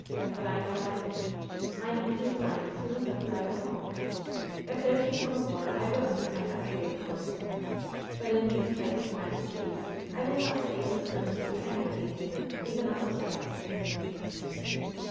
But I know what I mean. I mean to resign as soon as ever I get home. 62 LOVE'S BITTEREST CUP "If there should come a war I will serve my country, of course ; but in these ^piping times of peace^ I will not stay in the service to be anybody's nigger, even Uncle Sam's!"